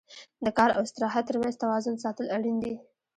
د کار او استراحت تر منځ توازن ساتل اړین دي.